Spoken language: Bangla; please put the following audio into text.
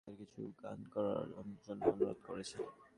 কিন্তু জোহান অ্যালকোভার আমাদের একটি নতুন গান করার জন্য অনুরোধ করেছেন।